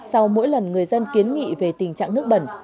sau mỗi lần người dân kiến nghị về tình trạng nước bẩn